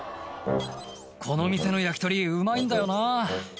「この店の焼き鳥うまいんだよな」